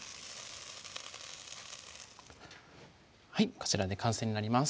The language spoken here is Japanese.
はいこちらで完成になります